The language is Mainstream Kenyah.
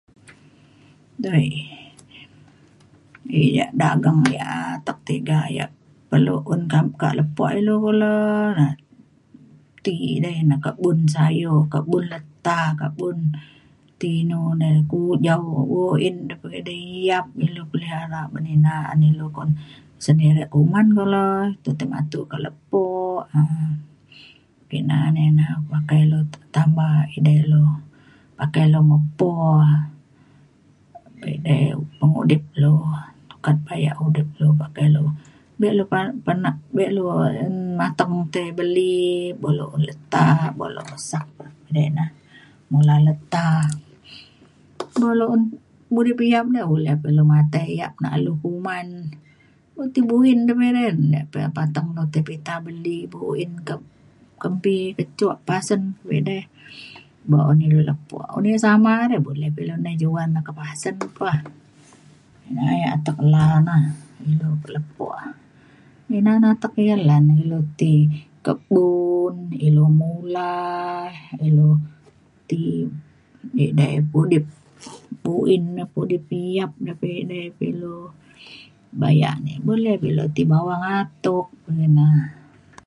dai ia’ ida dageng ia’ atek tiga ia’ perlu un ka lepo ilu kulo na ti idai ne kebun sayur kebun leta kebun ti inu re ti ujau buin yap ne ilu pelihara ban ina an ilu kon- sendiri kuman kulo te tematu ka lepo ina ina na ia ’ pakai ilu tambah edai ilu pakai ilu mepo pa edei pengudip lu sukat pa ia’ mudip lu be lu penat be’un mateng tai beli buk lu un leta buk lu pesak edei ina. Mula leta dulu un mudip yap uleh na ilu matai yap nak alem kuman. Ti buin pa edei re pateng ti pita buin kembi ke cuk pasen edei buk un ilu lepo un ia’ sama na re buleh na ilu juan ka pasen pah ina ia’ atek la’a na ilu ka lepo. ina na ia’ atek tiga lan ilu ti kebun ilu mula ilu ti edei pudip buin ne pudip yap na pah edei perlu bayak ni boleh pe ilu ti bawang atuk ina.